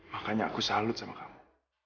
makanya aku salut sama kamu